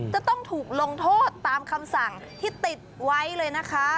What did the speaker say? จะต้องถูกลงโทษตามคำสั่งที่ติดไว้เลยนะคะ